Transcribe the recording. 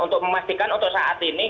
untuk memastikan untuk saat ini